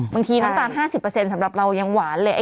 น้ำตาล๕๐สำหรับเรายังหวานเลย